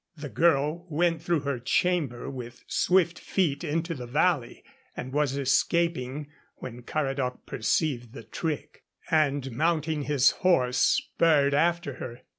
The girl went through her chamber with swift feet into the valley, and was escaping, when Caradoc perceived the trick, and mounting his horse spurred after her.